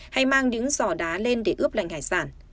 hay mang những giỏ đá lên để ướp lạnh hải sản